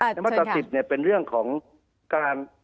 น้ำตาติดเนี่ยเป็นเรื่องของการ